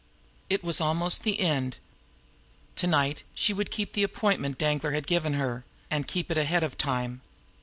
It was almost the end now. To night, she would keep the appointment Danglar had given her and keep it ahead of time.